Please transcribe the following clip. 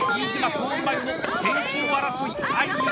コーンマヨの先頭争い！